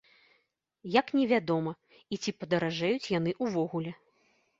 Як невядома, і ці падаражэюць яны ўвогуле.